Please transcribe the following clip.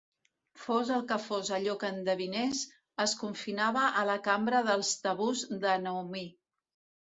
Fos el que fos allò que endevinés, es confinava a la cambra dels tabús de Naomi.